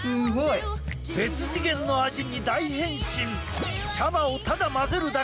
別次元の味に大変身。